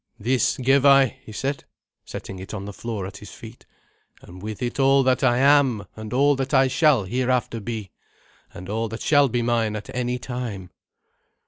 "This give I," he said, setting it on the floor at his feet, "and with it all that I am, and all that I shall hereafter be, and all that shall be mine at any time."